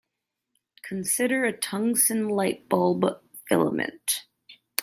Consider a tungsten light-bulb filament.